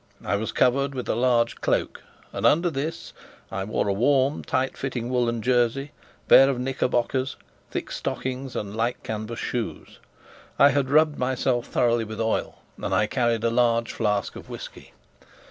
I was covered with a large cloak, and under this I wore a warm, tight fitting woollen jersey, a pair of knickerbockers, thick stockings, and light canvas shoes. I had rubbed myself thoroughly with oil, and I carried a large flask of whisky.